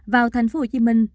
vào thành phố hồ chí minh